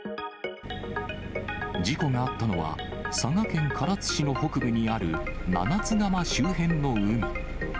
事故があったのは、佐賀県唐津市の北部にある七ツ釜周辺の海。